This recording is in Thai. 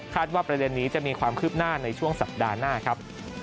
ว่าประเด็นนี้จะมีความคืบหน้าในช่วงสัปดาห์หน้าครับ